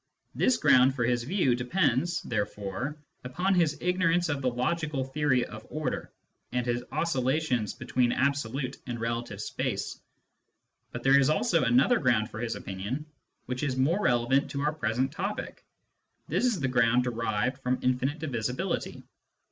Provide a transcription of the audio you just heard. This ground for his view depends, therefore, upon his ignorance of the logical theory of order and his oscilla tions between absolute and relative space. But there is also another ground for his opinion, which is more relevant to our present topic. This is the ground derived from infinite divisibility.